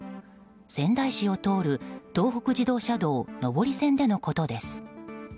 仙台市を通る東北自動車道上り線でのことです。